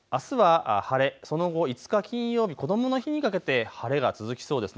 あすは晴れ、その後５日金曜日、こどもの日にかけて晴れが続きそうです。